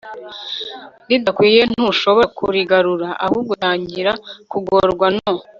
ridakwiye ntushobora kurigarura ahubwo utangira kugorwa no